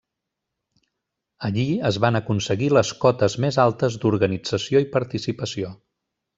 Allí es van aconseguir les cotes més altes d'organització i participació.